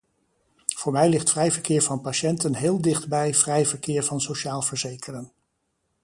Voor mij ligt vrij verkeer van patiënten heel dichtbij vrij verkeer van sociaal verzekerden.